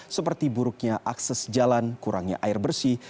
seperti buruknya akses jalan kurangnya air bersih